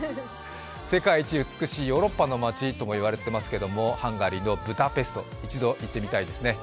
世界一美しいヨーロッパの町ともいわれていますけれどもハンガリーのブダペスト、一度行ってみたいですね。